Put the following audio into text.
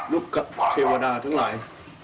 เทวดาทั้งหลาย